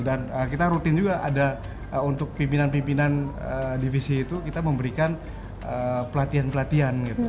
kita rutin juga ada untuk pimpinan pimpinan divisi itu kita memberikan pelatihan pelatihan gitu